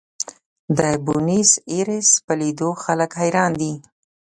د بونیس ایرس په لیدو خلک حیران دي.